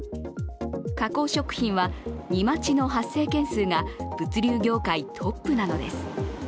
加工食品は、荷待ちの発生件数が物流業界トップなのです。